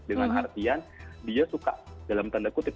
dengan artian dia suka dalam tanda kutip